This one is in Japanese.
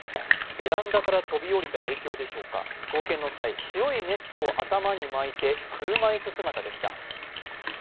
ベランダから飛び降りた影響でしょうか、送検の際、白いネットを頭に巻いて車椅子姿でした。